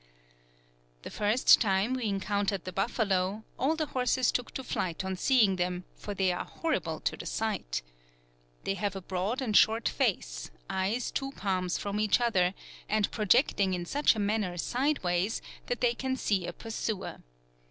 1869. Pp. 206 7.] "The first time we encountered the buffalo, all the horses took to flight on seeing them, for they are horrible to the sight. "They have a broad and short face, eyes two palms from each other, and projecting in such a manner sideways that they can see a pursuer.